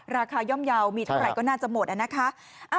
ย่อมเยาว์มีเท่าไหร่ก็น่าจะหมดนะคะ